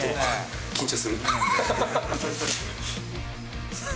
緊張する。